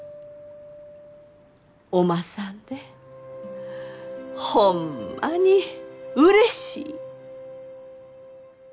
おまさんでホンマにうれしい！